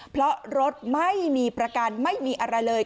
เพราะรถไม่มีประกันไม่มีอะไรเลย